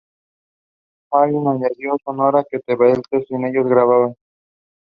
The monastery bell tower is about twenty meters from the present church.